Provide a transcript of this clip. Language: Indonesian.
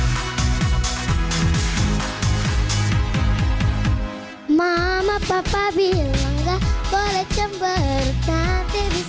malu sama kambing mbe mbe mbe